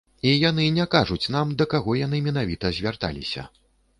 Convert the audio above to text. І яны не кажуць нам, да каго яны менавіта звярталіся.